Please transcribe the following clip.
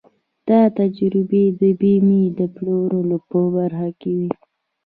دا تجربې د بيمې د پلورلو په برخه کې وې.